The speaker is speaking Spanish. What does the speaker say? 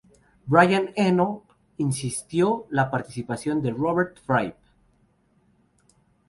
Brian Eno instigó la participación de Robert Fripp.